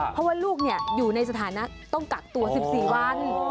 เพราะว่าลูกอยู่ในสถานะต้องกักตัว๑๔วัน